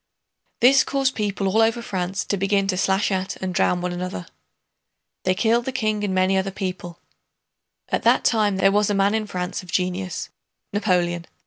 This caused people all over France to begin to slash at and drown one another. They killed the king and many other people. At that time there was in France a man of genius—Napoleon.